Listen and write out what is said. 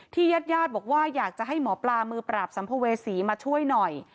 ญาติญาติบอกว่าอยากจะให้หมอปลามือปราบสัมภเวษีมาช่วยหน่อย